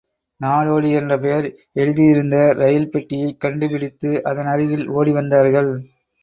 நாடோடி என்ற பெயர் எழுதியிருந்த ரயில் பெட்டியைக் கண்டுபிடித்து அதன் அருகில் ஓடி வந்தார்கள்.